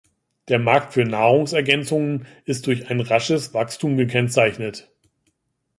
Der Markt für Nahrungsergänzungen ist durch ein rasches Wachstum gekennzeichnet.